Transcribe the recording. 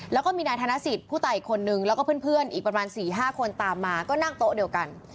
แล้วก็มีนายธนสิทธิ์ผู้ตายอีกคนนึงแล้วก็เพื่อนอีกประมาณ๔๕คนตามมาก็นั่งโต๊ะเดียวกัน